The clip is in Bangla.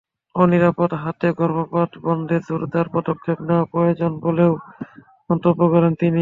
অনিরাপদ হাতে গর্ভপাত বন্ধে জোরদার পদক্ষেপ নেওয়া প্রয়োজন বলেও মন্তব্য করেন তিনি।